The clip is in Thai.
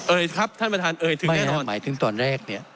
ครับท่านประธานเอ่ยถึงแน่นอนหมายถึงตอนแรกเนี่ย